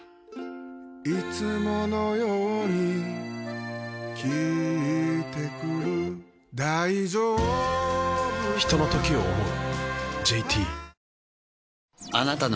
いつものように聞いてくる大丈夫か嗚呼ひとのときを、想う。